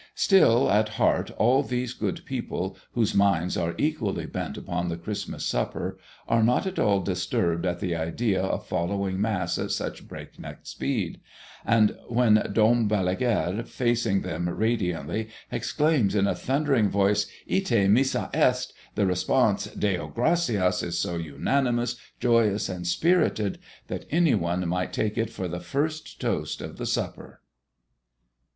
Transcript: Still, at heart all these good people, whose minds are equally bent upon the Christmas supper, are not at all disturbed at the idea of following Mass at such breakneck speed; and when Dom Balaguère, facing them radiantly, exclaims in a thundering voice, "Ite missa est," the response, "Deo gracias," is so unanimous, joyous, and spirited, that any one might take it for the first toast of the supper.